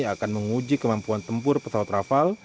akan menguji kemampuan tempur pesawat rafael